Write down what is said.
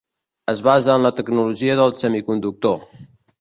Es basa en la tecnologia del semiconductor.